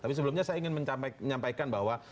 tapi sebelumnya saya ingin menyampaikan bahwa